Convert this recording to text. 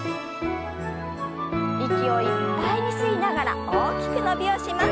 息をいっぱいに吸いながら大きく伸びをします。